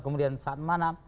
kemudian saat mana